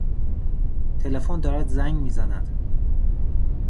تلفن دارد زنگ میزند.